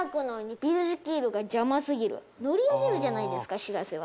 乗り上げるじゃないですかしらせは。